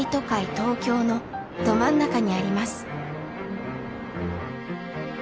東京のど真ん中にあります。